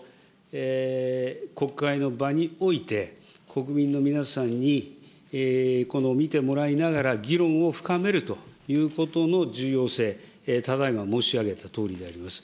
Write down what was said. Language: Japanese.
国会の場において、国民の皆さんに見てもらいながら議論を深めるということの重要性、ただいま申し上げたとおりでございます。